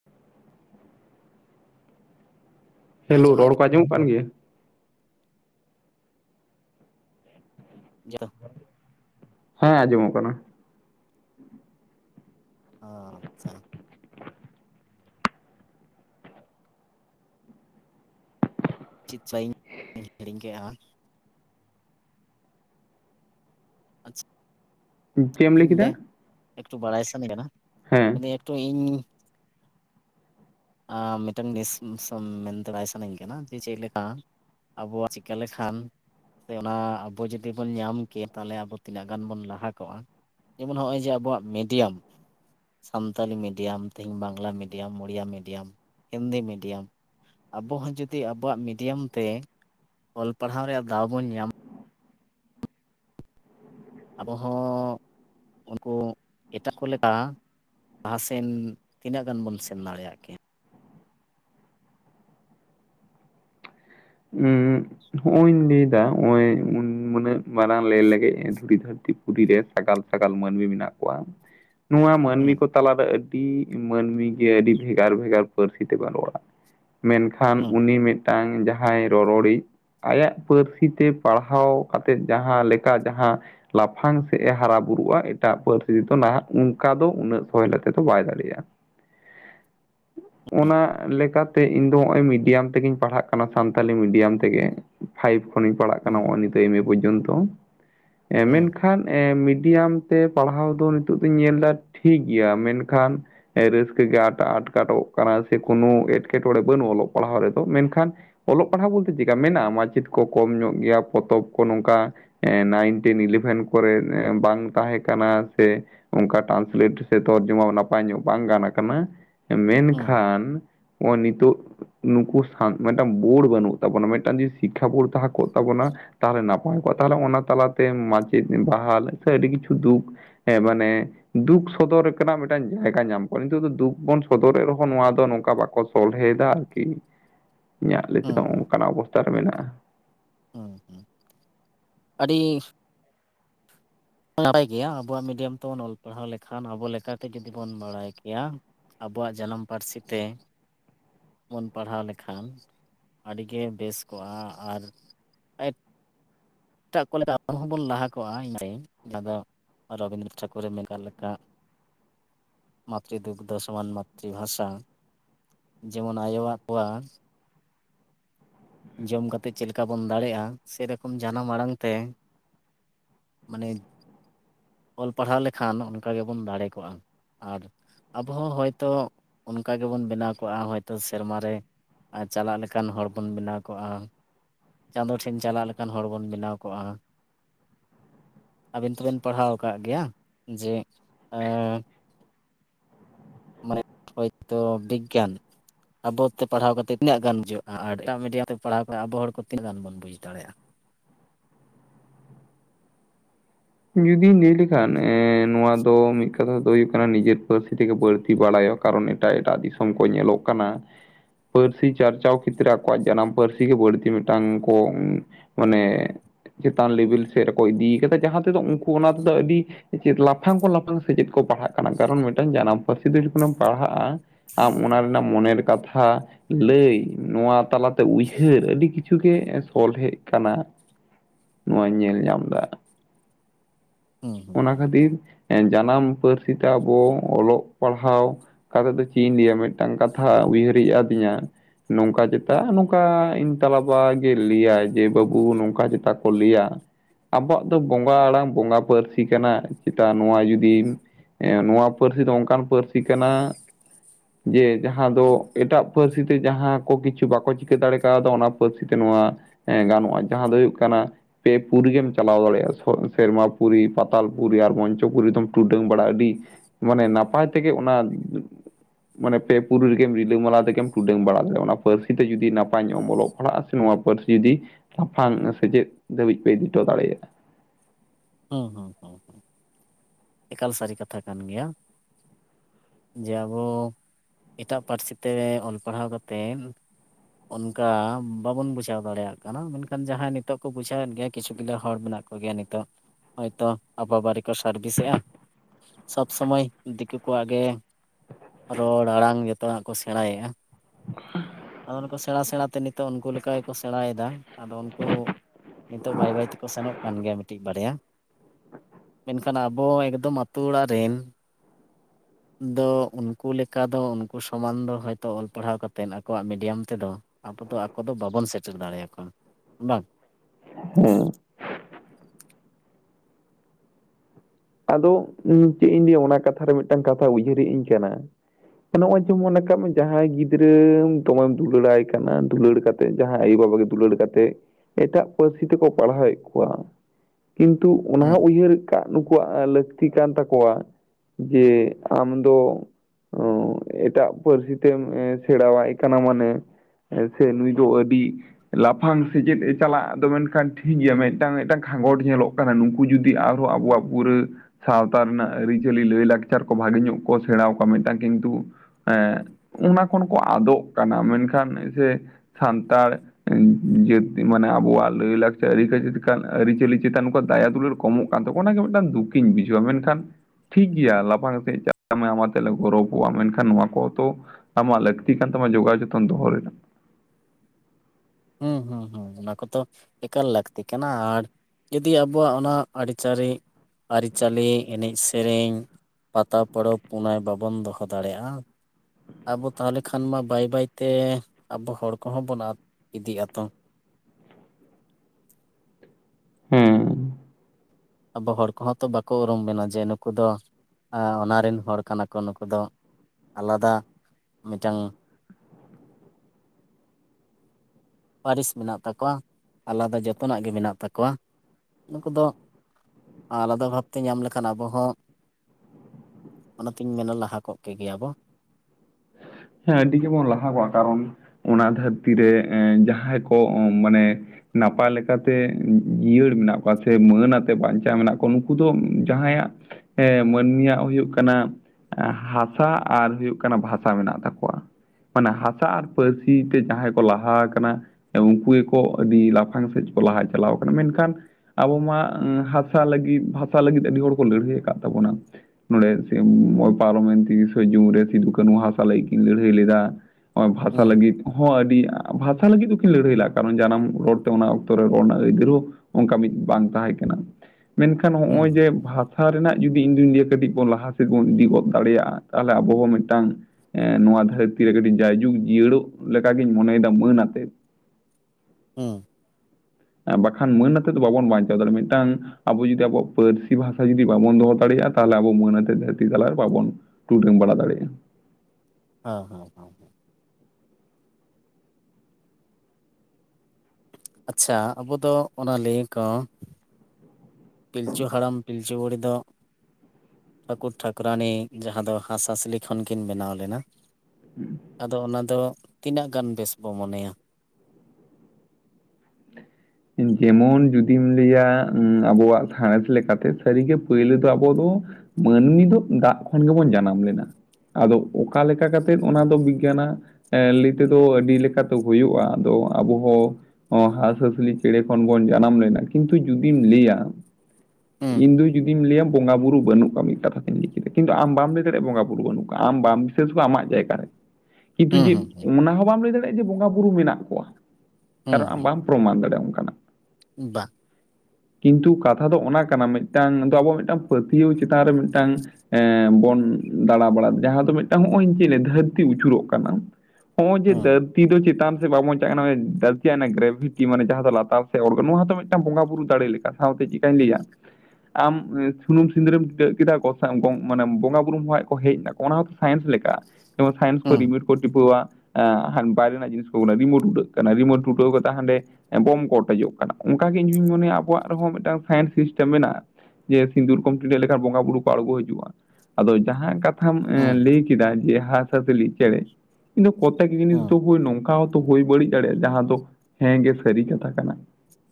[inaudible] ᱦᱚᱸ ᱦᱮᱞᱳ ᱡᱚᱦᱟᱨ ᱨᱚᱲ ᱜᱮ ᱠᱚ ᱟᱸᱚᱢᱚᱜ ᱠᱟᱱ ᱜᱮᱭᱟ᱾ ᱡᱮᱨᱚ ᱦᱮᱸ ᱦᱮᱸ ᱟᱸᱡᱚᱢᱚᱜ ᱠᱟᱱᱟ ᱚ ᱪᱟ ᱪᱤᱫ ᱦᱤᱲᱤᱧ ᱠᱮᱜ-ᱟ ᱪᱷ ᱪᱮ ᱮᱢ ᱞᱟᱹᱭ ᱠᱮᱫᱟ? ᱮᱠᱴᱩ ᱵᱟᱲᱟᱭ ᱥᱟᱱᱟᱧ ᱠᱟᱱᱟ ᱦᱮᱸ ᱢᱟᱱᱮ ᱮᱠᱴᱩ ᱤᱧ ᱟᱸ ᱢᱤᱴᱟᱹᱝ ᱤᱥ ᱢᱤᱥᱚᱱ ᱢᱮᱱ ᱛᱮᱲᱟᱭ ᱥᱟᱹᱱᱟᱧ ᱠᱟᱱᱟ ᱡᱮ ᱪᱮᱫ ᱞᱮᱠᱟ ᱟᱵᱚᱣᱟᱜ ᱪᱤᱠᱟᱹ ᱞᱮᱠᱷᱟᱱ ᱥᱮ ᱚᱱᱟ ᱟᱵᱚ ᱡᱩᱫᱤ ᱵᱚᱱ ᱧᱟᱢ ᱠᱮᱭᱟ ᱛᱟᱦᱞᱮ ᱟᱵᱚ ᱛᱤᱱᱟᱹᱜ ᱜᱟᱱ ᱵᱚᱱ ᱞᱟᱦᱟ ᱠᱚᱜ-ᱟ? ᱡᱮᱢᱚᱱ ᱦᱚᱜᱚᱭ ᱡᱮ ᱟᱵᱚᱣᱟᱜ ᱢᱤᱰᱤᱭᱟᱢ ᱥᱟᱱᱛᱟᱞᱤ ᱢᱤᱰᱤᱭᱟᱢ ᱛᱤᱧ Bangla medium Odia medium Hindi medium ᱟᱵᱚ ᱦᱚᱸ ᱡᱩᱫᱤ ᱟᱵᱚᱣᱟᱜ ᱢᱤᱰᱤᱭᱟᱢ ᱛᱮ ᱚᱞ ᱯᱟᱲᱦᱟᱣ ᱨᱮᱭᱟᱜ ᱫᱟᱣ ᱵᱚᱱ ᱧᱟᱢ ᱟᱵᱦᱚᱸ ᱩᱱᱠᱩ ᱮᱴᱟᱜ ᱠᱚ ᱞᱮᱠᱟ ᱞᱟᱦᱟ ᱥᱮᱱ ᱛᱤᱱᱟᱹᱜ ᱜᱟᱱ ᱵᱚᱱ ᱥᱮᱱ ᱫᱟᱲᱮᱭᱟᱜ ᱠᱮᱭᱟ? ᱩᱸ ᱱᱚᱜᱚᱭᱧ ᱞᱟᱹᱭᱫᱟ ᱱᱚᱜᱚᱭ ᱩᱱ ᱩᱱᱟᱹᱜ ᱢᱟᱨᱟᱝ ᱞᱮ ᱞᱮᱜᱮᱡ ᱫᱷᱩᱲᱤ ᱫᱷᱟᱹᱨᱛᱤ ᱯᱩᱨᱤ ᱨᱮ ᱥᱟᱜᱟᱞ ᱥᱟᱜᱟᱞ ᱢᱟᱹᱱᱢᱤ ᱢᱮᱱᱟᱜ ᱠᱚᱣᱟ [inaudible] ᱱᱚᱣᱟ ᱢᱟᱹᱱᱢᱤ ᱦᱩᱸ ᱠᱚᱛ ᱛᱟᱞᱟ ᱛᱮ ᱟᱹᱰᱤ ᱢᱟᱹᱱᱢᱤ ᱜᱮ ᱟᱹᱰᱤ ᱵᱷᱮᱜᱟᱨ ᱵᱷᱮᱜᱟᱨ ᱯᱟᱹᱨᱥᱤ ᱛᱮᱵᱚᱱ ᱨᱚᱲᱟ ᱢᱮᱱ ᱠᱷᱟᱱ ᱦᱩᱸ ᱩᱱᱤ ᱢᱤᱫᱴᱟᱝ ᱡᱟᱦᱟᱸᱭ ᱨᱚᱨᱚᱲᱤᱡ ᱟᱭᱟᱜ ᱯᱟᱹᱨᱥᱤ ᱛᱮ ᱯᱟᱲᱦᱟᱣ ᱠᱟᱛᱮᱫ ᱡᱟᱦᱟᱸ ᱞᱮᱠᱟ ᱡᱟᱦᱟ ᱞᱟᱯᱷᱟᱝ ᱥᱮᱫ ᱮ ᱦᱟᱨᱟ ᱵᱩᱨᱩᱜᱼᱟ ᱮᱴᱟᱜ ᱯᱟᱹᱨᱥᱤ ᱛᱮᱫᱚ ᱱᱟᱦᱟᱸᱜ ᱚᱱᱠᱟ ᱫᱚ ᱩᱱᱟᱹᱜ ᱥᱚᱞᱦᱮ ᱛᱮᱫᱚ ᱵᱟᱭ ᱫᱟᱲᱮᱭᱟᱜᱼᱟ ᱾ [inaudible] ᱚᱱᱟ ᱞᱮᱠᱟᱛᱮ ᱤᱧ ᱫᱚ ᱱᱚᱜᱚᱭ ᱢᱤᱰᱤᱭᱟᱢ ᱛᱮᱜᱤᱧ ᱯᱟᱲᱦᱟᱜ ᱠᱟᱱᱟ ᱾ ᱥᱟᱱᱛᱟᱞᱤ ᱢᱤᱰᱤᱭᱟᱢ ᱛᱮᱜᱮ ᱯᱷᱟᱭᱤᱵ ᱠᱷᱚᱱᱤᱧ ᱯᱟᱲᱦᱟᱜ ᱦᱩᱸ ᱠᱟᱱᱟ ᱱᱚᱜᱚᱭ ᱱᱤᱛᱚᱜ ᱮᱢᱮ ᱯᱚᱨᱡᱚᱱᱛᱚ ᱾ ᱮ ᱦᱩᱸ ᱢᱮᱱ ᱠᱷᱟᱱ ᱮ ᱢᱤᱰᱤᱭᱟᱢ ᱛᱮ ᱯᱟᱲᱦᱟᱣ ᱫᱚ ᱱᱤᱛᱚᱜ ᱫᱚᱧ ᱧᱮᱞ ᱮᱫᱟ ᱴᱷᱤᱠ ᱜᱮᱭᱟ ᱢᱮᱱᱠᱷᱟᱱ ᱨᱟᱹᱥᱠᱟᱹ ᱜᱮ ᱟ ᱟᱴᱠᱟᱴᱚᱜ ᱠᱟᱱᱟ ᱥᱮ ᱠᱳᱱᱳ ᱮᱴᱠᱮᱴᱚᱬᱮ ᱵᱟᱹᱱᱩᱜ ᱚᱞᱚᱜ ᱯᱟᱲᱦᱟᱣ ᱨᱮᱫᱚ ᱢᱮᱱᱠᱷᱟᱱ ᱚᱞᱚᱜ ᱯᱟᱲᱦᱟᱣ ᱵᱚᱞᱛᱮ ᱪᱤᱠᱟᱹ ᱢᱮᱱᱟᱜᱼᱟ ᱢᱟᱪᱮᱫ ᱠᱚ ᱠᱚᱢ ᱧᱚᱜ ᱜᱮᱭᱟ ᱯᱚᱛᱚᱵ ᱠᱚ ᱱᱚᱝᱠᱟ ᱱᱟᱭᱤᱱ ᱴᱮᱱ ᱤᱞᱵᱷᱮᱱ ᱠᱚᱨᱮ ᱵᱟᱝ ᱛᱟᱦᱮᱸ ᱠᱟᱱᱟ ᱾ᱥᱮ ᱚᱱᱠᱟ ᱴᱨᱟᱱᱥᱞᱮᱴ ᱥᱮ ᱛᱚᱨᱡᱚᱢᱟ ᱱᱟᱯᱟᱭ ᱧᱚᱜ ᱵᱟᱝ ᱜᱟᱱ ᱟᱠᱟᱱᱟ᱾ ᱦᱩᱸ ᱢᱮᱱᱠᱷᱟᱱ ᱦᱚᱜᱚᱭ ᱱᱤᱛᱚᱜ ᱱᱩᱠᱩ ᱥᱟ ᱢᱟᱱᱮ ᱢᱤᱫᱴᱟᱝ ᱵᱳᱨᱲ ᱵᱟᱹᱱᱩᱜ ᱛᱟᱵᱚᱱᱟ ᱢᱤᱫᱴᱟᱝ ᱡᱩᱫᱤ ᱥᱤᱠᱷᱟ ᱵᱳᱨ ᱛᱟᱦᱮᱸ ᱠᱚᱜ ᱛᱟᱵᱚᱱᱟ᱾ ᱛᱟᱦᱚᱞᱮ ᱱᱟᱯᱟᱭ ᱠᱚᱜᱼᱟ ᱛᱟᱦᱚᱞᱮ ᱚᱱᱟ ᱛᱟᱞᱟᱛᱮ ᱢᱟᱪᱮᱫ ᱵᱟᱦᱟᱞ ᱥᱮ ᱟᱹᱰᱤ ᱠᱤᱪᱷᱩ ᱫᱩᱠ ᱾ ᱦᱮᱸ ᱢᱟᱱᱮ ᱫᱩᱠ ᱥᱚᱫᱚᱨ ᱠᱟᱱᱟ ᱢᱤᱫᱴᱟᱝ ᱡᱟᱭᱜᱟ ᱧᱟᱢ ᱠᱚᱣᱟ ᱱᱤᱛᱚᱜ ᱫᱚ ᱫᱩᱠ ᱵᱚᱱ ᱥᱚᱫᱚᱨᱮᱫ ᱨᱮᱦᱚᱸ ᱱᱚᱣᱟ ᱫᱚ ᱱᱚᱝᱠᱟ ᱵᱟᱠᱚ ᱥᱚᱞᱦᱮᱭᱮᱫᱟ ᱟᱨᱠᱤ ᱤᱧᱟᱹᱜ ᱞᱮᱟᱹᱭ ᱦᱩᱸ ᱛᱮᱫᱚ ᱦᱩᱸ ᱚᱱᱠᱟᱱᱟᱜ ᱚᱵᱚᱥᱛᱟ ᱨᱮ ᱢᱮᱱᱟᱜᱼᱟ ᱾ ᱦᱩᱸ ᱦᱩᱸ ᱟᱹᱰᱤ ᱱᱟᱯᱟᱭ ᱜᱮᱭᱟ ᱟᱵᱚᱣᱟᱜ ᱢᱤᱰᱤᱭᱟᱢ ᱛᱮᱵᱚᱱ ᱚᱞ ᱯᱟᱲᱦᱟᱣ ᱞᱮᱠᱷᱟᱱ ᱟᱵᱚ ᱞᱮᱠᱟᱛᱮ ᱡᱩᱫᱤ ᱵᱚᱱ ᱵᱟᱲᱟᱭ ᱠᱮᱭᱟ᱾ ᱟᱵᱚᱣᱟᱜ ᱡᱟᱱᱟᱢ ᱯᱟᱹᱨᱥᱤ ᱛᱮ᱾ ᱵᱚᱱ ᱯᱟᱲᱦᱟᱣ ᱞᱮᱠᱷᱟᱱ, ᱟᱹᱰᱤ ᱜᱮ ᱵᱮᱥ ᱠᱚᱜᱼᱟ ᱾ ᱟᱨ ᱮᱴᱟᱜ ᱠᱚᱞ ᱟᱵ ᱦᱚᱸᱵᱚᱱ ᱞᱟᱦᱟ ᱠᱚᱜᱼᱟ ᱤᱱᱤ ᱴᱟᱭᱤᱢ ᱚᱱᱟ ᱫᱚ ᱾ ᱟᱨ ᱨᱚᱵᱤᱱᱫᱨᱚ ᱴᱷᱟᱠᱩᱨᱮ ᱢᱮᱱᱠᱟᱜ ᱞᱮᱠᱟ ᱾ ᱢᱟᱛᱨᱤ ᱫᱩᱜᱽᱫᱷᱚ ᱥᱚᱢᱟᱱ ᱢᱟᱛᱨᱤ ᱵᱷᱟᱥᱟ᱾ ᱡᱮᱢᱚᱱ ᱟᱭᱳᱣᱟᱜ ᱛᱚᱣᱟ᱾ ᱡᱚᱢ ᱠᱟᱛᱮᱜ ᱪᱮᱫ ᱞᱮᱠᱟ ᱵᱚᱱ ᱫᱟᱲᱮᱭᱟᱜᱼᱟ, ᱥᱮᱨᱚᱠᱚᱢ ᱡᱟᱱᱟᱢ ᱟᱲᱟᱝ ᱛᱮ ᱢᱟᱱᱮ ᱚᱞ ᱯᱟᱲᱦᱟᱣ ᱞᱮᱠᱷᱟᱱ ᱚᱱᱠᱟ ᱜᱮᱵᱚᱱ ᱫᱟᱲᱮ ᱠᱚᱜᱼᱟ ᱟᱨ ᱟᱵᱚ ᱦᱚᱭᱛᱳ ᱚᱱᱠᱟ ᱜᱮᱵᱚᱱ ᱵᱮᱱᱟᱣ ᱠᱚᱜᱼᱟ ᱦᱚᱭᱛᱳ ᱥᱮᱨᱢᱟ ᱨᱮ᱾ ᱟᱨ ᱪᱟᱞᱟᱜ ᱞᱮᱠᱟᱱ ᱦᱚᱲ ᱵᱚᱱ ᱵᱮᱱᱟᱣ ᱠᱚᱜᱼᱟ ᱾ ᱪᱟᱸᱫᱚ ᱴᱷᱮᱱ ᱪᱟᱞᱟᱜ ᱞᱮᱠᱟᱱ ᱦᱚᱲ ᱵᱚᱱ ᱵᱮᱱᱟᱣ ᱠᱚᱜᱼᱟ ᱾ ᱟᱵᱮᱱ ᱛᱚᱵᱮᱱ ᱯᱟᱲᱦᱟᱣ ᱟᱠᱟᱫ ᱜᱮᱭᱟ ᱡᱮ [inaudible] ᱢᱟᱱᱮ ᱦᱚᱭᱛᱳ ᱵᱤᱜᱽᱜᱟᱱ ᱾ ᱟᱵᱚ ᱛᱮ ᱯᱟᱲᱦᱟᱣ ᱠᱟᱛᱮ ᱛᱤᱱᱟᱹᱜ ᱜᱟᱱ ᱵᱩᱷᱟᱹᱜᱼᱟ ᱮᱴᱟᱜ ᱢᱤᱰᱤᱭᱟᱢ ᱛᱮ ᱯᱟᱲᱟᱣ ᱠᱟᱛᱮᱫ ᱟᱵᱚ ᱦᱚᱲ ᱠᱚ ᱛᱤᱱᱟᱹᱜ ᱜᱟᱱ ᱵᱚᱱ ᱵᱩᱡᱽ ᱫᱟᱲᱮᱭᱟᱜᱼᱟ᱾ ᱡᱩᱫᱤᱧ ᱞᱟᱹᱭ ᱞᱮᱠᱷᱟᱱ ᱮᱸ ᱱᱚᱣᱟ ᱫᱚ ᱢᱤᱫ ᱠᱟᱛᱷᱟ ᱫᱚ ᱦᱩᱭᱩᱜ ᱠᱟᱱᱟ ᱱᱤᱡᱮᱨ ᱯᱟᱹᱨᱥᱤ ᱛᱮᱜᱮ ᱵᱟᱹᱲᱛᱤ ᱵᱟᱲᱟᱭᱚᱜ ᱾ ᱠᱟᱨᱚᱱ ᱮᱴᱟᱜ ᱮᱴᱟᱜ ᱫᱤᱥᱚᱢ ᱠᱚ ᱧᱮᱞᱚᱜ ᱠᱟᱱᱟ ᱯᱟᱹᱨᱥᱤ ᱪᱟᱨᱪᱟᱣ ᱠᱷᱮᱛᱨᱮ ᱟᱠᱚᱣᱟᱜ ᱡᱟᱱᱟᱢ ᱯᱟᱹᱨᱥᱤ ᱜᱮ ᱵᱟᱹᱲᱛᱤ ᱢᱤᱫᱴᱟᱝ ᱠᱚ ᱢᱟᱱᱮ ᱪᱮᱛᱟᱱ ᱞᱮᱵᱮᱞ ᱥᱮᱫ ᱨᱮᱠᱚ ᱤᱫᱤ ᱠᱟᱫᱟ ᱡᱟᱸᱦᱟᱸ ᱫᱚ ᱛᱮᱫᱚ ᱩᱱᱠᱩ ᱚᱱᱟ ᱛᱮᱫᱚ ᱟᱹᱰᱤ ᱞᱟᱯᱷᱟᱝ ᱠᱚ ᱞᱟᱯᱷᱟᱝ ᱥᱮᱪᱮᱫ ᱠᱚ ᱯᱟᱲᱦᱟᱜ ᱠᱟᱱᱟ ᱠᱟᱨᱚᱱ ᱢᱤᱫᱴᱟᱝ ᱡᱟᱱᱟᱢ ᱯᱟᱹᱨᱥᱤ ᱫᱚ ᱡᱚᱠᱷᱚᱱᱮᱢ ᱯᱟᱲᱦᱟᱜᱼᱟ ᱟᱢ ᱚᱱᱟ ᱨᱮᱱᱟᱜ ᱢᱚᱱᱮᱨ ᱠᱟᱛᱷᱟ ᱞᱟᱹᱭ ᱱᱚᱣᱟ ᱛᱟᱞᱟᱛᱮ ᱩᱭᱦᱟᱹᱨ ᱟᱹᱰᱤ ᱠᱤᱪ [inaudible] ᱜᱮ ᱥᱚᱞᱦᱮᱜ ᱠᱟᱱᱟ ᱱᱚᱣᱟᱧ ᱧᱮᱞ ᱧᱟᱢ ᱮᱫᱟ᱾ ᱦᱩᱸ ᱦᱩᱸ ᱚᱱᱟ ᱦᱩᱸ ᱠᱷᱟᱹᱛᱤᱨ ᱡᱟᱱᱟᱢ ᱯᱟᱹᱨᱥᱤ ᱛᱮ ᱟᱵᱚ ᱚᱞᱚᱜ ᱯᱟᱲᱦᱟᱣ᱾ ᱠᱟᱛᱷᱟ ᱫᱚ ᱪᱮᱫ ᱤᱧ ᱞᱟᱹᱭ ᱟ ᱢᱤᱫᱴᱟᱝ ᱠᱟᱛᱷᱟ ᱩᱭᱦᱟᱹᱨ ᱦᱮᱡ ᱟᱹᱫᱤᱧᱟ᱾ ᱱᱚᱝᱠᱟ ᱪᱮᱛᱟ ᱱᱚᱝᱠᱟ ᱤᱧ ᱛᱟᱞᱟᱵᱟ ᱞᱟᱹᱭ ᱟᱭ ᱡᱮ ᱵᱟᱹᱵᱩ ᱱᱚᱝᱠᱟ ᱪᱮᱛᱟ ᱠᱚ ᱞᱟᱹᱭᱟ ᱟᱵᱚᱣᱟᱜ ᱫᱚ ᱵᱚᱸᱜᱟ ᱟᱲᱟᱝ ᱵᱚᱸᱜᱟ ᱯᱟᱹᱨᱥᱤ ᱠᱟᱱᱟ ᱪᱮᱛᱟ ᱱᱚᱣᱟ ᱡᱩᱫᱤᱢ ᱦᱮᱸ ᱱᱚᱶᱟ ᱯᱟᱹᱨᱥᱤ ᱫᱚ ᱚᱱᱠᱟᱱ ᱯᱟᱹᱨᱥᱤ ᱠᱟᱱᱟ᱾ ᱡᱮ ᱡᱟᱸᱦᱟᱸ ᱫᱚ ᱮᱴᱟᱜ ᱯᱟᱹᱨᱥᱤ ᱛᱮ ᱡᱟᱸᱦᱟᱸ ᱠᱚ ᱠᱤᱪᱷᱩ ᱵᱟᱠᱚ ᱪᱤᱠᱟᱹ ᱫᱟᱲᱮ ᱠᱟᱣᱫᱟ ᱚᱱᱟ ᱯᱟᱹᱨᱥᱤ ᱛᱮ ᱱᱚᱣᱟ ᱜᱟᱱᱚᱜ-ᱟ ᱡᱟᱸᱦᱟᱸ ᱫᱚ ᱦᱩᱭᱩᱜ ᱠᱟᱱᱟ ᱯᱮ ᱯᱩᱨᱤ ᱜᱮᱢ ᱪᱟᱞᱟᱣ ᱫᱟᱲᱮᱭᱟᱜ-ᱟ᱾ ᱥᱮᱨᱢᱟ ᱯᱩᱨᱤ, ᱯᱟᱛᱟᱞ ᱯᱩᱨᱤ ᱟᱨ ᱢᱚᱧᱪᱚ ᱯᱩᱨᱤ ᱫᱚᱢ ᱴᱩᱰᱟᱹᱝ ᱵᱟᱲᱟ ᱟᱹᱰᱤ᱾ ᱢᱟᱱᱮ ᱱᱟᱯᱟᱭ ᱛᱮᱜᱮ ᱚᱱᱟ ᱢᱟᱱᱮ ᱯᱮ ᱯᱩᱨᱤ ᱨᱮᱜᱮᱢ ᱨᱤᱞᱟᱹᱢᱟᱞᱟ ᱛᱮᱜᱮᱢ ᱴᱩᱰᱟᱹᱝ ᱵᱟᱲᱟ ᱫᱮᱭᱟᱜ-ᱟ ᱚᱱᱟ ᱯᱟᱹᱨᱥᱤ ᱛᱮ ᱡᱩᱫᱤ ᱱᱟᱯᱟᱭ ᱧᱚᱜ ᱚᱞᱚᱜ ᱯᱟᱲᱦᱟᱜ-ᱟ ᱥᱮ᱾ ᱱᱚᱣᱟ ᱯᱟᱹᱨᱥᱤ ᱡᱩᱫᱤ ᱞᱟᱯᱷᱟᱝ ᱥᱮᱪᱮᱫ ᱫᱷᱟᱹᱵᱤᱡ ᱯᱮ ᱤᱫᱤ ᱦᱚᱴᱚ ᱫᱟᱲᱮᱭᱟᱜ-ᱟ᱾ ᱦᱩᱸ ᱦᱩᱸ ᱦᱩᱸ ᱦᱩᱸ, ᱮᱠᱟᱞ ᱥᱟᱹᱨᱤ ᱠᱟᱛᱷᱟ ᱠᱟᱱ ᱜᱮᱭᱟ᱾ ᱡᱮ ᱟᱵᱚ ᱮᱴᱟᱜ ᱯᱟᱹᱨᱥᱤ ᱛᱮ ᱚᱞ ᱯᱟᱲᱦᱟᱣ ᱠᱟ ᱠᱟᱛᱮᱫ ᱚᱱᱠᱟ ᱵᱟᱵᱚᱱ ᱵᱩᱡᱷᱟ. ᱣ ᱫᱟᱲᱮᱭᱟᱜ ᱠᱟᱱᱟ ᱢᱮᱱᱠᱷᱟᱱ ᱡᱟᱸᱦᱟᱸᱭ ᱱᱤᱛᱚᱜ ᱠᱚ ᱵᱩᱡᱷᱟᱣ ᱮᱫ ᱜᱮᱭᱟ ᱠᱤᱪᱷᱩ ᱜᱚᱞᱟᱳ ᱦᱚᱲ ᱢᱮᱱᱟᱜ ᱠᱚᱣᱟ᱾ ᱠᱚ ᱜᱮᱭᱟ ᱱᱤᱛᱚᱜ᱾ ᱦᱚᱭᱛᱚ ᱟᱯᱟᱵᱟᱨᱮ ᱠᱚ ᱥᱟᱨᱵᱷᱤᱥᱮᱜ-ᱟ, ᱥᱚᱵᱽ ᱥᱚᱢᱚᱭ ᱫᱤᱠᱩ ᱠᱚᱣᱟᱜ ᱜᱮ ᱨᱚᱲ ᱟᱲᱟᱝ ᱡᱚᱛᱚᱣᱟᱜ ᱠᱚ ᱥᱮᱬᱟᱭᱮᱜ-ᱟ᱾ ᱟᱫᱚ ᱚᱱᱟ ᱠᱚ ᱥᱮᱬᱟ ᱥᱮᱬᱟ ᱛᱮ ᱱᱤᱛᱚᱜ ᱩᱱᱠᱩ ᱞᱮᱠᱟ ᱜᱮᱠᱚ ᱥᱮᱬᱟᱭᱮᱫᱟ᱾ ᱟᱫᱚ ᱩᱱᱠᱩ ᱱᱤᱛᱚᱜ ᱵᱟᱹᱭ ᱵᱟᱹᱭ ᱛᱮᱠᱚ ᱥᱮᱱᱚᱜ ᱠᱟᱱ ᱜᱮᱭᱟ ᱢᱤᱫᱴᱤᱡ ᱵᱟᱨᱭᱟ᱾ ᱢᱮᱱᱠᱷᱟᱱ ᱟᱵᱚ ᱮᱠᱫᱚᱢ ᱟᱛᱳ ᱚᱲᱟᱜ ᱨᱮᱱ ᱫᱚ ᱩᱱᱠᱩ ᱞᱮᱠᱟ ᱫᱚ ᱩᱱᱠᱩ ᱥᱚᱢᱟᱱ ᱫᱚ ᱦᱚᱭᱛᱳ ᱚᱞ ᱯᱟᱲᱦᱟᱣ ᱠᱟᱛᱮᱫ ᱟᱠᱚᱣᱟᱜ ᱢᱤᱰᱤᱭᱟᱢ ᱛᱮᱫᱚ ᱟᱵᱚ ᱫᱚ ᱟᱠᱚ ᱫᱚ ᱵᱟᱵᱚᱱ ᱥᱮᱴᱮᱨ ᱫᱟᱲᱮᱭᱟ ᱠᱚᱣᱟ ᱵᱟᱝ᱾ ᱦᱮᱸ᱾ ᱟᱫᱚ ᱤᱧ ᱪᱮᱫ ᱤᱧ ᱞᱟᱹᱭ ᱚᱱᱟ ᱠᱟᱛᱷᱟᱨᱮ ᱢᱤᱫᱴᱟᱝ ᱠᱟᱛᱷᱟ ᱩᱭᱦᱟᱹᱨ ᱦᱮᱡ ᱤᱧ ᱠᱟᱱᱟ ᱱᱚᱜ-ᱚᱭ ᱡᱮᱢᱚᱱ ᱠᱟᱜ ᱢᱮ ᱡᱟᱦᱟᱸᱭ ᱜᱤᱫᱽᱨᱟᱹ ᱫᱚᱢᱮᱢ ᱫᱩᱞᱟᱹᱲᱟᱭ ᱠᱟᱱᱟ ᱫᱩᱞᱟᱹᱲ ᱠᱟᱛᱮ ᱡᱟᱦᱟᱸᱭ ᱟᱭᱳ-ᱵᱟᱵᱟ ᱜᱮ ᱫᱩᱞᱟᱹᱲ ᱠᱟᱛᱮᱜ ᱮᱴᱟᱜ ᱯᱟᱹᱨᱥᱤ ᱛᱮᱠᱚ ᱯᱟᱲᱦᱟᱣ ᱮᱫ ᱠᱚᱣᱟ᱾ ᱠᱤᱱᱛᱩ ᱚᱱᱟ ᱦᱩᱸ ᱦᱚ ᱩᱭᱦᱟᱹᱨ ᱠᱟᱜ ᱱᱩᱠᱩᱣᱟᱜ ᱞᱟᱹᱠᱛᱤ ᱠᱟᱱ ᱛᱟᱠᱚᱣᱟ᱾ ᱡᱮ ᱟᱢ ᱫᱚ ᱚ ᱮᱴᱟᱜ ᱯᱟᱹᱨᱥᱤ ᱛᱮᱢ ᱥᱮᱬᱟᱣᱟᱭ ᱠᱟᱱᱟ ᱢᱟᱱᱮ ᱥᱮ ᱱᱩᱭ ᱫᱚ ᱟᱹᱰᱤ ᱞᱟᱯᱷᱟᱝ ᱥᱮᱪᱮᱫ ᱮ ᱪᱟᱞᱟᱜ ᱟᱫᱚ ᱢᱮᱱᱠᱷᱟᱱ ᱴᱷᱤᱠ ᱜᱮᱭᱟ ᱢᱤᱫᱴᱟᱝ ᱢᱤᱫᱴᱟᱝ ᱠᱷᱟᱸᱜᱚᱴ ᱧᱮᱞᱚᱜ ᱠᱟᱱᱟ ᱱᱩᱠᱩ ᱡᱩᱫᱤ ᱟᱨᱦᱚᱸ ᱟᱵᱚᱣᱟᱜ ᱯᱩᱨᱟᱹ ᱥᱟᱶᱛᱟ ᱨᱮᱱᱟᱜ ᱟᱹᱨᱤᱪᱟᱹᱞᱤ ᱞᱟᱹᱭ-ᱞᱟᱠᱪᱟᱨ ᱠᱚ ᱵᱷᱟᱜᱮ ᱧᱚᱜ ᱠᱚ ᱥᱮᱬᱟᱣ ᱠᱚᱣᱟ, ᱢᱤᱫᱴᱟᱝ ᱠᱤᱱᱛᱩ ᱦᱮᱸ ᱚᱱᱟ ᱠᱷᱚᱱ ᱠᱚ ᱟᱫᱚᱜ ᱠᱟᱱᱟ ᱢᱮᱱᱠᱷᱟᱱ ᱥᱮ ᱥᱟᱱᱛᱟᱲ ᱡᱮ ᱢᱟᱱᱮ ᱟᱵᱚᱣᱟᱜ ᱞᱟᱹᱭᱼᱞᱟᱠᱪᱟᱨ ᱪᱟᱱ ᱟᱹᱨᱤᱪᱟᱹᱞᱤ ᱪᱮᱛᱟᱱ ᱱᱚᱝᱠᱟ ᱫᱟᱭᱟ ᱫᱩᱞᱟᱹᱲ ᱠᱚᱢᱚᱜ ᱠᱟᱱ ᱛᱟᱠᱚᱣᱟ ᱚᱱᱟᱜᱮ ᱢᱤᱫᱴᱟᱝ ᱫᱩᱠᱤᱧ ᱵᱩᱡᱷᱟᱹᱣ-ᱟ, ᱢᱮᱱᱠᱷᱟᱱ ᱴᱷᱤᱠ ᱜᱮᱭᱟ ᱞᱟᱯᱷᱟᱝ ᱥᱮᱫ ᱪᱟᱛᱥᱢᱟᱭ ᱟᱢ ᱟᱛᱮ ᱛᱮᱞᱮ ᱜᱚᱨᱚᱵᱚᱜ-ᱟ ᱢᱮᱱᱠᱷᱟᱱ ᱱᱚᱣᱟ ᱠᱚᱦᱚᱸ ᱛᱚ ᱟᱢᱟᱜ ᱞᱟᱹᱠᱛᱤ ᱠᱟᱱ ᱛᱟᱢᱟ ᱡᱚᱜᱟᱣ ᱡᱚᱛᱚᱱ ᱫᱚᱦᱚ ᱨᱮᱱᱟᱜ ᱾ ᱦᱮᱸ ᱦᱮᱸ ᱦᱮᱸ ᱚᱱᱟ ᱠᱚᱛᱚ ᱮᱠᱟᱞ ᱞᱟᱹᱠᱛᱤ ᱠᱟᱱᱟ ᱟᱨ ᱡᱩᱫᱤ ᱟᱵᱚᱣᱟᱜ ᱚᱱᱟ ᱟᱹᱨᱤᱪᱟᱹᱞᱤ ᱟᱹᱨᱤᱪᱟᱹᱞᱤ ᱮᱱᱮᱡ ᱥᱮᱨᱮᱧ ᱯᱟᱛᱟ ᱯᱚᱨᱚᱵ ᱯᱩᱱᱟᱹᱭ ᱵᱟᱵᱚᱱ ᱫᱚᱦᱚ ᱫᱟᱲᱮᱭᱟᱜ-ᱟ᱾ ᱟᱵᱚ ᱛᱟᱦᱚᱞᱮ ᱠᱷᱟᱱ ᱢᱟ ᱵᱟᱹᱭ ᱵᱟᱹᱭᱛᱮ ᱟᱵᱚ ᱦᱚᱲ ᱠᱚᱦᱚᱸ ᱵᱚᱱ ᱟᱫ ᱤᱫᱤᱜ ᱟᱛᱚ᱾ ᱦᱩᱸ ᱟᱵᱚ ᱦᱚᱲ ᱠᱚᱦᱚᱸ ᱛᱚ ᱵᱟᱠᱚ ᱩᱨᱩᱢ ᱵᱤᱱᱟ ᱡᱮ ᱱᱩᱠᱩ ᱫᱚ ᱚᱱᱟ ᱨᱮᱱ ᱦᱚᱲ ᱠᱟᱱᱟ ᱠᱚ ᱱᱩᱠᱩ ᱫᱚ᱾ ᱟᱞᱟᱫᱟ ᱢᱤᱫᱴᱟᱝ ᱯᱟᱹᱨᱤᱥ ᱢᱮᱱᱟᱜ ᱛᱟᱠᱚᱣᱟ ᱟᱞᱟᱫᱟ ᱡᱚᱛᱚᱱᱟᱜ ᱜᱮ ᱢᱮᱱᱟᱜ ᱛᱟᱠᱚᱣᱟ ᱱᱩᱠᱩ ᱫᱚ ᱟᱞᱟᱫᱟ ᱵᱷᱟᱵᱽᱛᱮ ᱧᱟᱢ ᱞᱮᱠᱷᱟᱱ ᱟᱵᱚ ᱦᱚᱸ ᱚᱱᱟᱛᱤᱧ ᱢᱮᱱᱟ ᱞᱟᱦᱟ ᱠᱚᱜ ᱜᱮᱭᱟᱵᱚᱱ ᱦᱮᱸ ᱟᱹᱰᱤ ᱜᱮᱵᱚᱱ ᱞᱟᱦᱟ ᱠᱚᱣᱟ ᱠᱟᱨᱚᱱ ᱚᱱᱟ ᱫᱷᱟᱹᱨᱛᱤ ᱨᱮ ᱡᱟᱦᱟᱸᱭ ᱠᱚ ᱢᱟᱱᱮ ᱱᱟᱯᱟᱭ ᱞᱮᱠᱟᱛᱮ ᱡᱤᱭᱟᱹᱲ ᱢᱮᱱᱟᱜ ᱠᱚᱣᱟ ᱥᱮ ᱢᱟᱹᱱ ᱟᱛᱮᱜ ᱵᱟᱧᱪᱟᱣ ᱢᱮᱱᱟᱜ ᱠᱚᱣᱟ ᱱᱩᱠᱩ ᱫᱚ ᱡᱟᱦᱟᱸᱭ ᱟᱜ ᱦᱮᱸ ᱢᱟᱹᱱᱢᱤᱭᱟᱜ ᱦᱩᱭᱩᱜ ᱠᱟᱱᱟ ᱦᱟᱥᱟ ᱟᱨ ᱦᱩᱭᱩᱜ ᱠᱟᱱᱟ ᱵᱷᱟᱥᱟ ᱢᱮᱱᱟᱜ ᱛᱟᱠᱚᱣᱟ᱾ ᱢᱟᱱᱮ ᱦᱟᱥᱟ ᱟᱨ ᱯᱟᱹᱨᱥᱤ ᱛᱮ ᱡᱟᱦᱟᱸᱭ ᱠᱚ ᱞᱟᱦᱟ ᱟᱠᱟᱱᱟ ᱩᱱᱠᱩ ᱜᱮᱠᱚ ᱟᱹᱰᱤ ᱞᱟᱯᱷᱟᱝ ᱥᱮᱫ ᱠᱚ ᱞᱟᱦᱟ ᱪᱟᱞᱟᱣ ᱠᱟᱱᱟ, ᱢᱮᱱᱠᱷᱟᱱ ᱟᱵᱚ ᱢᱟ ᱦᱟᱥᱟ ᱞᱟᱹᱜᱤᱫ ᱵᱷᱟᱥᱟ ᱞᱟᱹᱜᱤᱫ ᱟᱹᱰᱤ ᱦᱚᱲ ᱠᱚ ᱞᱟᱹᱲᱦᱟᱹᱭ ᱟᱠᱟᱫ ᱛᱟᱵᱩᱱᱟ᱾ ᱱᱚᱸᱰᱮ ᱛᱤᱦᱤᱧ ᱯᱟᱨᱚᱢᱮᱱ ᱛᱤᱨᱤᱥᱮ ᱡᱩᱱ ᱨᱮ ᱥᱤᱫᱩ ᱠᱟᱹᱱᱩ ᱦᱟᱥᱟ ᱞᱟᱹᱜᱤᱫ ᱠᱤᱱ ᱞᱟᱹᱲᱦᱟᱹᱭ ᱞᱮᱫᱟ ᱱᱚᱜᱚᱭ ᱵᱷᱟᱥᱟ ᱦᱩᱸ ᱞᱟᱹᱜᱤᱫ ᱦᱚᱸ ᱟᱹᱰᱤ ᱵᱷᱟᱥᱟ ᱞᱟᱹᱜᱤᱫ ᱫᱚᱠᱤᱱ ᱞᱟᱹᱲᱦᱟᱹᱭ ᱞᱟᱜ ᱠᱟᱨᱚᱱ ᱡᱟᱱᱟᱢ ᱨᱚᱲ ᱛᱮ ᱚᱱᱟ ᱚᱠᱛᱚ ᱨᱮ ᱨᱚᱲ ᱨᱮᱱᱟᱜ ᱟᱹᱭᱫᱟᱹᱨ ᱦᱳ ᱚᱱᱠᱟ ᱢᱤᱫ ᱵᱟᱝ ᱛᱟᱦᱮᱸ ᱠᱟᱱᱟ ᱢᱮᱱᱠᱷᱟᱱ ᱦᱩᱸ ᱱᱚᱜ-ᱚᱭ ᱡᱮ ᱦᱩᱸ ᱵᱷᱟᱥᱟ ᱵᱷᱟᱥᱟ ᱨᱮᱱᱟᱜ ᱡᱩᱫᱤ ᱤᱧᱫᱚᱧ ᱞᱟᱹᱭᱟ ᱠᱟᱹᱴᱤᱡ ᱵᱚᱱ ᱞᱟᱦᱟ ᱥᱮᱫ ᱵᱚᱱ ᱤᱫᱤ ᱜᱚᱫ ᱫᱟᱲᱮᱭᱟᱜ-ᱟ ᱛᱟᱦᱚᱞᱮ ᱟᱵᱚ ᱦᱚᱸ ᱢᱤᱫᱴᱟᱝ ᱱᱚᱣᱟ ᱫᱷᱟᱹᱨᱛᱤ ᱨᱮ ᱠᱟᱹᱴᱤᱡ ᱡᱟᱭᱡᱩᱜᱽ ᱡᱤᱭᱟᱹᱲᱚᱜ ᱞᱮᱠᱟᱜᱤᱧ ᱢᱚᱱᱮᱭᱮᱫᱟ ᱢᱟᱹᱱ ᱟᱛᱮᱫ᱾ [unintelligible] ᱟᱨ ᱵᱟᱠᱷᱟᱱ ᱢᱟᱹᱱ ᱟᱛᱮᱫ ᱫᱚ ᱵᱟᱵᱩᱱ ᱵᱟᱧᱪᱟᱣ ᱫᱟᱲᱮᱭᱟᱜ-ᱟ, ᱢᱤᱫᱴᱟᱝ ᱟᱵᱩ ᱡᱩᱫᱤ ᱟᱵᱩᱣᱟᱜ ᱯᱟᱹᱨᱥᱤ ᱵᱷᱟᱥᱟ ᱡᱩᱫᱤ ᱵᱟᱵᱩᱱ ᱫᱚᱦᱚ ᱫᱟᱲᱮᱭᱟᱜ-ᱟ, ᱛᱟᱦᱚᱞᱮ ᱟᱵᱩ ᱢᱟᱹᱱ ᱟᱛᱮᱫ ᱫᱷᱟᱹᱨᱛᱤ ᱛᱟᱞᱟ ᱨᱮ ᱵᱟᱵᱩᱱ ᱴᱩᱰᱟᱹᱝ ᱵᱟᱲᱟ ᱫᱟᱲᱮᱭᱟᱜ-ᱟ᱾ ᱦᱮᱸ ᱦᱮᱸ ᱦᱮᱸ ᱦᱮᱸ᱾ ᱟᱪᱪᱷᱟ ᱟᱵᱵ ᱫᱚ ᱚᱱᱟ ᱞᱟᱹᱭ ᱟᱠᱚ ᱯᱤᱞᱪᱩ ᱦᱟᱲᱟᱢ ᱯᱤᱞᱪᱩ ᱵᱩᱲᱦᱤ ᱫᱚ ᱴᱷᱟᱹᱠᱩᱨ ᱴᱷᱟᱹᱠᱨᱟᱹᱱᱤ ᱡᱟᱦᱟᱸ ᱫᱚ ᱦᱟᱸᱥᱼᱦᱟᱸᱥᱞᱤ ᱠᱷᱚᱱ ᱠᱤᱱ ᱵᱮᱱᱟᱣ ᱞᱮᱱᱟ᱾ ᱟᱫᱚ ᱚᱱᱟ ᱫᱚ ᱛᱤᱱᱟᱹᱜ ᱜᱟᱱ ᱵᱮᱥ ᱵᱚ ᱢᱚᱱᱮᱭᱟ ᱡᱮᱢᱚᱱ ᱡᱩᱫᱤᱢ ᱞᱟᱹᱭᱟ ᱟᱵᱚᱣᱟᱜ ᱥᱟᱬᱮᱥ ᱞᱮᱠᱟᱛᱮ ᱥᱟᱹᱨᱤᱜᱮ ᱯᱩᱭᱞᱩ ᱫᱚ ᱟᱵᱩ ᱫᱚ ᱢᱟᱹᱱᱢᱤ ᱫᱚ ᱫᱟᱜ ᱠᱷᱚᱱ ᱜᱮᱵᱚᱱ ᱡᱟᱱᱟᱢ ᱞᱮᱱᱟ ᱟᱫᱚ ᱚᱠᱟ ᱞᱮᱠᱟ ᱠᱟᱛᱮᱫ ᱚᱱᱟ ᱫᱚ ᱵᱤᱜᱽᱜᱟᱱᱟᱜ ᱮᱸ ᱞᱟᱹᱭ ᱛᱮᱫᱚ ᱟᱹᱰᱤ ᱞᱮᱠᱟᱛᱮ ᱦᱩᱭᱩᱜᱼᱟ ᱟᱫᱚ ᱟᱵᱚ ᱦᱚᱸ ᱦᱟᱸᱥᱼ ᱦᱟᱸᱥᱞᱤ ᱪᱮᱬᱮ ᱠᱷᱚᱱ ᱵᱚᱱ ᱡᱟᱱᱟᱢ ᱞᱮᱱᱟ ᱠᱤᱱᱛᱩ ᱡᱩᱫᱤᱢ ᱞᱟᱹᱭᱟ ᱦᱮᱸ ᱤᱱ ᱫᱚ ᱡᱩᱫᱤᱢ ᱞᱟᱹᱭᱟ ᱵᱚᱸᱜᱟ ᱵᱩᱨᱩ ᱵᱟᱹᱱᱩᱜ ᱠᱚᱣᱟ ᱢᱤᱫ ᱠᱟᱛᱷᱟ ᱛᱮᱧ ᱞᱟᱹᱭ ᱠᱮᱫᱟ ᱠᱤᱱᱛᱩ ᱟᱢ ᱵᱟᱢ ᱞᱟᱹᱭ ᱫᱟᱲᱮᱭᱟᱜᱼᱟ ᱵᱚᱸᱜᱟ ᱵᱩᱨᱩ ᱵᱟᱹᱱᱩᱜ ᱠᱚᱣᱟ ᱟᱢ ᱵᱟᱢ ᱵᱤᱥᱮᱥ ᱫᱚ ᱟᱢᱟᱜ ᱡᱟᱭᱜᱟ ᱨᱮ ᱠᱤᱱᱛᱩ ᱦᱩᱸ ᱡᱮ ᱦᱩᱸ ᱦᱩᱸ ᱚᱱᱟ ᱦᱚᱸ ᱵᱟᱢ ᱞᱟᱹᱭ ᱫᱟᱲᱮᱜᱼᱟ ᱡᱮ ᱵᱚᱸᱜᱟ ᱵᱩᱨᱩ ᱢᱮᱱᱟᱜ ᱠᱚᱣᱟ ᱠᱟᱨᱚᱱ ᱟᱢ ᱵᱟᱢ ᱯᱨᱚᱢᱟᱱ ᱫᱟᱲᱮᱜ-ᱟ ᱚᱱᱠᱟ ᱵᱟᱝ ᱠᱤᱱᱛᱩ ᱠᱟᱛᱷᱟ ᱫᱚ ᱚᱱᱟ ᱠᱟᱱᱟ ᱢᱤᱫᱴᱟᱝ ᱫᱚ ᱟᱵᱚᱣᱟᱜ ᱢᱤᱫᱴᱟᱝ ᱯᱟᱹᱛᱭᱟᱹᱣ ᱪᱮᱛᱟᱱ ᱨᱮ ᱢᱤᱫᱴᱟᱝ ᱮᱸ ᱵᱚᱱ ᱫᱟᱬᱟ ᱵᱟᱲᱟᱭᱫᱟ ᱡᱟᱦᱟᱸ ᱫᱚ ᱢᱤᱫᱴᱟᱝ ᱱᱚᱜᱼᱚᱭ ᱪᱮᱫ ᱫᱷᱟᱹᱨᱛᱤ ᱟᱹᱪᱩᱨᱚᱜ ᱠᱟᱱᱟ ᱦᱚᱸᱜᱼᱚᱭ ᱡᱮ ᱦᱩᱸ ᱫᱷᱟᱹᱨᱛᱤ ᱫᱚ ᱪᱮᱛᱟᱱ ᱥᱮᱫ ᱵᱟᱵᱩᱱ ᱪᱟᱜ ᱠᱟᱱᱟ ᱫᱷᱟᱹᱨᱛᱤᱭᱟᱜ ᱮᱱᱮ ᱜᱨᱮᱵᱷᱤᱴᱤ ᱢᱟᱱᱮ ᱡᱟᱦᱟᱸ ᱫᱚ ᱞᱟ ᱛᱟᱨ ᱥᱮᱫ ᱚᱨᱠᱟᱱᱟ ᱱᱚᱣᱟ ᱦᱚᱸᱛᱚ ᱢᱤᱫᱴᱟᱝ ᱵᱚᱸᱜᱟ ᱵᱩᱨᱩ ᱫᱟᱲᱮ ᱞᱮᱠᱟ ᱥᱟᱶᱛᱮ ᱪᱤᱠᱟᱹᱧ ᱞᱟᱹᱭᱟ ᱟᱢ ᱥᱩᱱᱩᱢ ᱥᱤᱸᱫᱩᱨᱮᱢ ᱴᱤᱰᱟᱹᱜ ᱠᱮᱫᱟ ᱢᱟᱱᱮ ᱵᱚᱸᱜᱟ ᱵᱩᱨᱩ ᱦᱚᱸ ᱠᱚ ᱦᱮᱡ ᱮᱱᱟ ᱠᱚ ᱚᱱᱟ ᱦᱚᱸ ᱥᱟᱭᱮᱱᱥ ᱞᱮᱠᱟ ᱡᱮᱢᱚᱱ ᱥᱟᱭᱮᱱᱥ ᱠᱚ ᱦᱩᱸ ᱨᱤᱢᱮᱰ ᱠᱚ ᱴᱤᱯᱟᱹᱣᱟ ᱵᱟᱭᱨᱮ ᱨᱮᱱᱟᱜ ᱡᱤᱱᱤᱥ ᱠᱚ ᱨᱤᱢᱳᱴ ᱩᱰᱟᱹᱜ ᱠᱟᱱᱟ ᱨᱤᱢᱳᱴ ᱩᱰᱟᱹᱣ ᱠᱟᱛᱮ ᱦᱟᱸᱰᱮ ᱵᱳᱢ ᱠᱚ ᱚᱴᱮᱡᱚᱜ ᱠᱟᱱᱟ ᱚᱱᱠᱟ ᱜᱮ ᱤᱧ ᱦᱚᱧ ᱢᱚᱱᱮᱭᱟ ᱟᱵᱚᱣᱟᱜ ᱨᱮᱦᱚᱸ ᱢᱤᱫᱴᱟᱝ ᱥᱟᱭᱮᱱᱥ ᱥᱤᱥᱴᱮᱢ ᱢᱮᱱᱟᱜᱼᱟ ᱡᱮ ᱥᱤᱸᱫᱩᱨ ᱠᱚᱢ ᱴᱤᱰᱟᱹᱜ ᱞᱮᱠᱷᱟᱱ ᱵᱚᱸᱜᱟᱼᱵᱩᱨᱩ ᱠᱚ ᱟᱬᱜᱚ ᱦᱤᱡᱩᱜᱼᱟ ᱟᱫᱚ ᱡᱟᱦᱟᱸ ᱠᱟ ᱛᱷᱟᱢ ᱦᱩᱸ ᱞᱟᱹᱭ ᱠᱮᱫᱟ ᱡᱮ ᱦᱟᱸᱥᱼᱦᱟᱸᱥᱞᱤ ᱪᱮᱬᱮ ᱠᱤᱱᱛᱩ ᱠᱚᱛᱮᱠ ᱡᱤᱱᱤᱥ ᱦᱩᱸ ᱫᱚ ᱦᱳᱭ ᱱᱚᱝᱠᱟ ᱦᱩᱭ ᱵᱟᱹᱲᱤᱡ ᱫᱟᱲᱮᱭᱟᱜᱼᱟ ᱡᱟᱦᱟᱸ ᱫᱚ ᱦᱮᱸ ᱜᱮ ᱥᱟᱹᱨᱤ ᱠᱟᱛᱷᱟ ᱠᱟᱱᱟ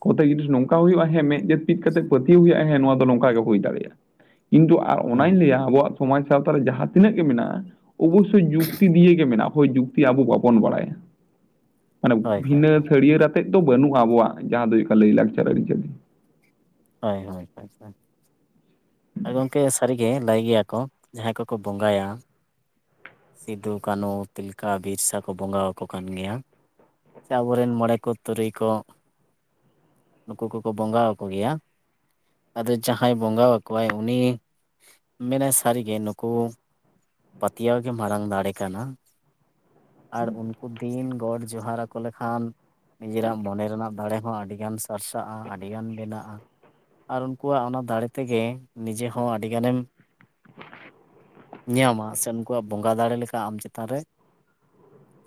ᱠᱚᱛᱮ ᱡᱤᱱᱤᱥ ᱱᱚᱝᱠᱟ ᱦᱩᱭᱩᱜᱼᱟ ᱦᱮᱸ ᱢᱮᱫ ᱡᱟᱹᱯᱤᱛ ᱠᱟᱛᱮᱜ ᱯᱟᱹᱛᱭᱟᱹᱣ ᱦᱩᱭᱩᱜᱼᱟ ᱦᱮᱸ ᱱᱚᱣᱟ ᱫᱚ ᱱᱚᱝᱠᱟ ᱜᱮ ᱦᱩᱭ ᱫᱟᱲᱮᱭᱟᱜᱼᱟ ᱠᱤᱱᱛᱩ ᱟᱨ ᱦᱩᱸ ᱚᱱᱟᱧ ᱞᱟᱹᱭᱟ ᱟᱵᱚᱣᱟᱜ ᱥᱚᱢᱟᱡᱽ ᱥᱟᱶᱛᱟ ᱨᱮ ᱡᱟᱦᱟᱸ ᱛᱤᱱᱟᱹᱜ ᱜᱮ ᱢᱮᱱᱟᱜᱼᱟ ᱚᱵᱚᱥᱥᱳᱭ ᱡᱩᱠᱛᱤ ᱫᱤᱭᱮ ᱜᱮ ᱢᱮᱱᱟᱜ-ᱟ ᱦᱳᱭ ᱡᱩᱠᱛᱤ ᱟᱵᱩ ᱵᱟᱵᱚᱱ ᱵᱟᱲᱟᱭᱟ [inaudible] ᱢᱟᱱᱮ ᱦᱳᱭ ᱵᱷᱤᱱᱟᱹ ᱦᱳᱭ ᱥᱟᱹᱲᱤᱭᱟᱹᱲ ᱟᱛᱮᱫ ᱫᱚ ᱵᱟᱹᱱᱩᱜᱼᱟ ᱟᱵᱚᱣᱟᱜ ᱡᱟᱦᱟᱸ ᱫᱚ ᱦᱩᱭᱩᱜ ᱠᱟᱱᱟ ᱞᱟᱹᱭᱼᱞᱟᱠᱪᱟᱨ ᱟᱹᱨᱤᱪᱟᱹᱞᱤ ᱦᱳᱭ ᱦᱳᱭ ᱦᱳᱭ ᱦᱳᱭ ᱦᱮᱸ ᱜᱚᱢᱠᱮ ᱥᱟᱹᱨᱤᱜᱮ ᱞᱟᱹᱭ ᱜᱮᱭᱟ ᱠᱚ ᱡᱟᱦᱟᱸᱭ ᱠᱚᱠᱚ ᱵᱚᱸᱜᱟᱭᱟ ᱥᱤᱫᱩ ᱠᱟᱱᱚ ᱛᱤᱞᱠᱟ ᱵᱤᱨᱥᱟ ᱠᱚ ᱵᱚᱸᱜᱟ ᱟᱠᱚ ᱠᱟᱱ ᱜᱮᱭᱟ ᱥᱮ ᱟᱵᱩᱨᱮᱱ ᱢᱚᱬᱮ ᱠᱚ ᱛᱩᱨᱩᱭ ᱠᱚ ᱱᱩᱠᱩ ᱠᱚᱠᱚ ᱵᱚᱸᱜᱟ ᱟᱠᱚ ᱜᱮᱭᱟ, ᱟᱫᱚ ᱡᱟᱦᱟᱸᱭ ᱵᱚᱸᱜᱟ ᱠᱚᱣᱟᱭ ᱩᱱᱤ ᱢᱮᱱᱟ ᱥᱟᱹᱨᱤᱜᱮ ᱱᱩᱠᱩ ᱯᱟᱛᱭᱟᱣ ᱜᱮ ᱢᱟᱨᱟᱝ ᱫᱟᱲᱮ ᱠᱟᱱᱟ, ᱟᱨ ᱩᱱ ᱠᱩ ᱫᱤᱱ ᱜᱚᱰ ᱡᱚᱦᱟᱨ ᱟᱠᱚ ᱞᱮᱠᱷᱟᱱ ᱱᱤᱡᱮᱨᱟᱜ ᱢᱚᱱᱮ ᱨᱮᱱᱟᱜ ᱫᱟᱲᱮ ᱦᱚᱸ ᱟᱰᱤᱜᱟᱱ ᱥᱟᱨᱥᱟᱜᱼᱟ ᱟᱰᱤᱜᱟᱱ ᱵᱮᱱᱟᱜᱼᱟ᱾ ᱟᱨ ᱩᱱᱠᱩᱣᱟᱜ ᱚᱱᱟ ᱫᱟᱲᱮ ᱛᱮᱜᱮ ᱱᱤᱡᱮ ᱦᱚᱸ ᱟᱰᱤ ᱜᱟᱱᱮᱢ ᱧᱟᱢᱟ ᱥᱮ ᱩᱱᱠᱩᱣᱟᱜ ᱵᱚᱸᱜᱟ ᱫᱟᱲᱮ ᱞᱮᱠᱟ ᱟᱢ ᱪᱮᱛᱟᱱ ᱨᱮ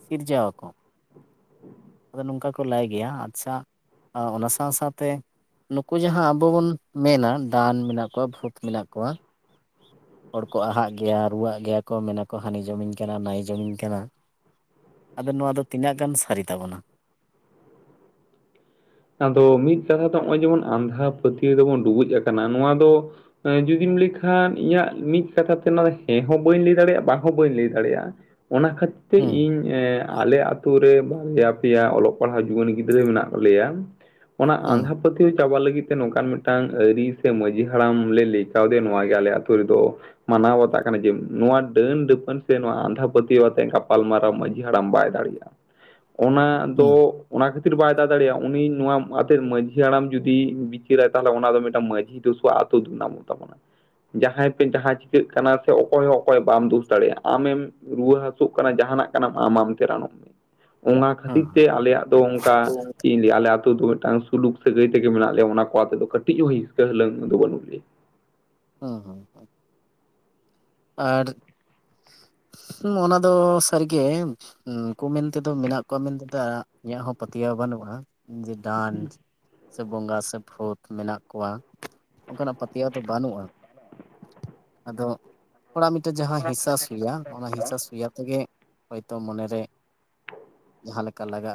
ᱥᱤᱨᱡᱟᱹᱣ ᱟᱠᱚ ᱟᱫᱚ ᱱᱚᱝᱠᱟ ᱠᱚ ᱞᱟᱭ ᱜᱮᱭᱟ ᱟᱪᱪᱷᱟ ᱚᱱᱟ ᱥᱟᱶ ᱥᱟᱶᱛᱮ, ᱱᱩᱠᱩ ᱡᱟᱦᱟᱸ ᱟᱵᱚ ᱵᱚᱱ ᱢᱮᱱᱟ ᱰᱟᱱ ᱢᱮᱱᱟᱜ ᱠᱩᱣᱟ ᱵᱷᱩᱛ ᱢᱮᱱᱟᱜ ᱠᱚᱣᱟ ᱦᱚᱲ ᱠᱚ ᱟᱦᱟᱜ ᱜᱮᱭᱟ, ᱨᱩᱣᱟᱜ ᱜᱮᱭᱟ ᱠᱚ ᱢᱮᱱᱟᱠᱚ ᱦᱟᱱᱤ ᱡᱚᱢᱤᱧ ᱠᱟᱱᱟ ᱱᱟᱭᱤ ᱡᱚᱢᱤᱧ ᱠᱟᱱᱟ, ᱟᱫᱚ ᱱᱚᱣᱟ ᱫᱚ ᱛᱤᱱᱟᱜ ᱜᱟᱱ ᱥᱟᱨᱤ ᱛᱟᱵᱚᱱᱟ? ᱟᱫᱚ ᱢᱤᱫ ᱠᱟᱛᱷᱟ ᱫᱚ ᱱᱚᱜᱼᱚᱭ ᱡᱮᱢᱚᱱ ᱟᱸᱫᱷᱟ ᱯᱟᱹᱛᱭᱟᱹᱣ ᱫᱚᱵᱚᱱ ᱰᱩᱵᱩᱡ ᱟᱠᱟᱱᱟ, ᱱᱚᱣᱟ ᱫᱚ ᱡᱩᱫᱤᱢ ᱞᱟᱹᱭᱠᱷᱟᱱ ᱤᱧᱟᱹᱜ ᱢᱤᱫ ᱠᱟᱛᱷᱟ ᱛᱮ ᱱᱚᱣᱟ ᱦᱮᱸ ᱦᱚᱸ ᱵᱟᱹᱧ ᱞᱟᱹᱭ ᱫᱟᱲᱮᱭᱟᱜᱼᱟ ᱵᱟᱝ ᱦᱚᱸ ᱵᱟᱹᱧ ᱞᱟᱹᱭ ᱫᱟᱲᱮᱭᱟᱜᱼᱟ᱾ ᱚᱱᱟ ᱠᱷᱟᱹᱛ [unintelligible] ᱦᱮᱸ ᱤᱧ ᱟᱞᱮ ᱟᱛᱩ ᱨᱮ ᱵᱟᱨᱭᱟ ᱯᱮᱭᱟ ᱚᱞᱚᱜ ᱯᱟᱲᱦᱟᱣ ᱡᱩᱣᱟᱹᱱ ᱜᱤᱫᱽᱨᱟᱹ ᱢᱮᱱᱟᱜ ᱞᱮᱭᱟ᱾ ᱚᱱᱟ ᱦᱩᱸ ᱟᱸᱫᱷᱟ ᱯᱟᱹᱛᱭᱟᱹᱣ ᱪᱟᱵᱟ ᱞᱟᱹᱜᱤᱫ ᱛᱮ ᱱᱚᱝᱠᱟᱱ ᱢᱤᱫᱴᱟᱝ ᱟᱹᱨᱤ ᱥᱮ ᱢᱟᱺᱡᱷᱤ ᱦᱟᱲᱟᱢ ᱞᱮ ᱞᱟᱹᱭ ᱠᱟᱣᱫᱮᱭᱟ ᱱᱚᱣᱟᱜᱮ ᱟᱞᱮ ᱟᱛᱩ ᱨᱮᱫᱚ, ᱢᱟᱱᱟᱣ ᱵᱟᱛᱟᱜ ᱠᱟᱱᱟ ᱡᱮ ᱱᱚᱣᱟ ᱰᱟᱹᱱ ᱰᱟᱹᱯᱟᱹᱱ ᱥᱮ ᱱᱚᱣᱟ ᱟᱸᱫᱷᱟ ᱯᱟᱹᱛᱭᱟᱹᱣ ᱟᱛᱮ ᱜᱟᱯᱟᱞᱢᱟᱣ, [unintelligible] ᱦᱟᱲᱟᱢ ᱵᱟᱭ ᱫᱟᱲᱮᱭᱟᱜᱼᱟ, ᱚᱱᱟ ᱫᱚ ᱦᱩᱸ ᱚᱱᱟ ᱠᱷᱟᱹᱛᱤᱨ ᱵᱟᱭ [unintelligible] ᱫᱟᱲᱮᱭᱟᱜᱼᱟ ᱩᱱᱤ ᱱᱚᱣᱟ ᱟᱛᱮᱫ ᱢᱟᱺᱡᱷᱤ ᱦᱟᱲᱟᱢ ᱡᱩᱫᱤᱭ ᱵᱤᱪᱟᱹᱨᱟᱭ ᱛᱟᱦᱚᱞᱮ ᱚᱱᱟ ᱫᱚ ᱢᱤᱫᱴᱟᱱ ᱢᱟᱺᱡᱷᱤ ᱫᱳᱥᱳᱜᱟ ᱟᱹᱛᱩ ᱫᱩᱱᱱᱟᱢᱚᱜ ᱛᱟᱵᱚᱱᱟ᱾ ᱡᱟᱦᱟᱸᱭ ᱯᱮ ᱡᱟᱦᱟᱸ ᱪᱤᱠᱟᱹᱜ ᱠᱟᱱᱟ ᱥᱮ ᱚᱠᱚᱭ ᱦᱚᱸ ᱚᱠᱚᱭ ᱵᱟᱢ ᱫᱩᱥ ᱫᱟᱲᱮᱭᱟᱜᱼᱟ, ᱟᱢᱮᱢ ᱨᱩᱣᱟᱹ ᱦᱟᱹᱥᱩᱜ ᱠᱟᱱᱟ ᱡᱟᱦᱟᱱᱟᱜ ᱠᱟᱱᱟᱢ ᱟᱢ ᱟᱢᱛᱮ ᱨᱟᱱᱚᱜ ᱢᱮ᱾ ᱚᱱᱟ ᱦᱩᱸ ᱠᱷᱟᱹᱛᱤᱨ ᱦᱩᱸ ᱛᱮ ᱟᱞᱮᱭᱟᱜ ᱫᱚ ᱚᱱᱠᱟ ᱟᱫᱚ ᱪᱮᱫ ᱤᱧ ᱞᱟᱹᱭᱟ ᱟᱞᱮ ᱫᱚ ᱢᱤᱫᱴᱟᱝ ᱥᱩᱞᱩᱠ ᱥᱟᱹᱜᱟᱹᱭ ᱛᱮᱜᱮ ᱢᱮᱱᱟᱜ ᱞᱮᱭᱟ ᱚᱱᱟ ᱠᱚ ᱟᱛᱮ ᱫᱚ ᱠᱟᱹᱴᱤᱡ ᱦᱚᱸ ᱦᱤᱥᱠᱟᱹ ᱦᱟᱹᱞᱟᱹᱝ ᱫᱚ ᱵᱟᱹᱱᱩᱜ ᱞᱮᱭᱟ᱾ ᱦᱩᱸ ᱦᱩᱸ ᱦᱩᱸ, ᱟᱨ, ᱚᱱᱟ ᱫᱚ ᱥᱟᱹᱨᱤᱜᱮ, ᱩᱱᱠᱩ ᱢᱮᱱᱛᱮᱫᱚ ᱢᱮᱱᱟᱜ ᱠᱚᱣᱟ ᱢᱮᱱᱛᱮᱫᱚ ᱤᱧᱟᱹᱜ ᱦᱚᱸ ᱯᱟᱹᱛᱭᱟᱹᱣ ᱵᱟᱹᱱᱩᱜᱼᱟ᱾ ᱡᱮ ᱰᱟᱱ ᱥᱮ ᱵᱚᱸᱜᱟ ᱥᱮ ᱵᱷᱩᱛ ᱢᱮᱱᱟᱜ ᱠᱚᱣᱟ ᱚᱱᱠᱟᱱᱟᱜ ᱯᱟᱹᱛᱭᱟᱹᱣ ᱫᱚ ᱵᱟᱹᱱᱩᱜᱼᱟ᱾ ᱟᱫᱚ, ᱦᱚᱲᱟᱜ ᱢᱤᱫᱴᱮᱱ ᱡᱟᱦᱟᱸ ᱦᱤᱥᱟ ᱥᱩᱭᱟ ᱚᱱᱟ ᱦᱤᱥᱟ ᱥᱩᱭᱟ ᱛᱮᱜᱮ ᱦᱚᱭᱛᱳ ᱢᱚᱱᱮᱨᱮ, ᱡᱟᱦᱟᱸ ᱞᱮᱠᱟ ᱞᱟᱜᱟᱜᱼᱟ᱾